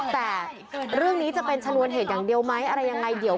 แต่เรื่องนี้จะเป็นชนวนเหตุอย่างเดียวไหมอะไรยังไงเดี๋ยว